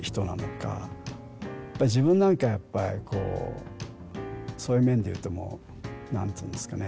自分なんかやっぱりこうそういう面で言うともう何ていうんですかね